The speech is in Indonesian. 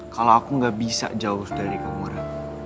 kalau aku gak bisa jauh dari kamu ra